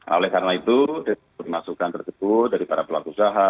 oleh karena itu dari masukan tersebut dari para pelaku usaha